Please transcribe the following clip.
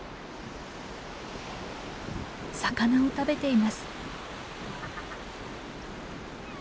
魚を食べています。